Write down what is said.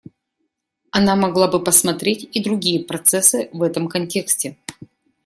Она могла бы посмотреть и другие процессы в этом контексте.